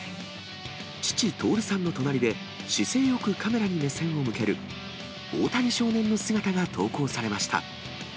父、徹さんの隣で姿勢よくカメラに目線を向ける大谷少年の姿が投稿されました。